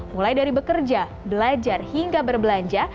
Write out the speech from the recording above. mulai dari bekerja belajar hingga berbelanja